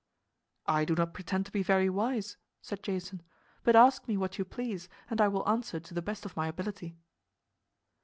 "I do not pretend to be very wise," said Jason; "but ask me what you please and I will answer to the best of my ability."